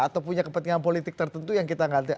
atau punya kepentingan politik tertentu yang kita nggak